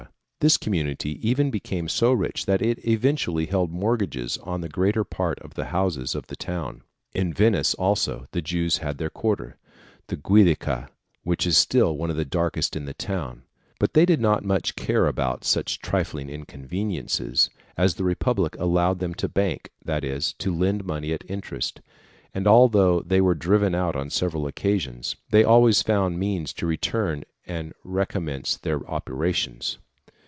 This community even became so rich that it eventually held mortgages on the greater part of the houses of the town. In Venice also, the Jews had their quarter the Giudecca which is still one of the darkest in the town; but they did not much care about such trifling inconveniences, as the republic allowed them to bank, that is, to lend money at interest; and although they were driven out on several occasions, they always found means to return and recommence their operations.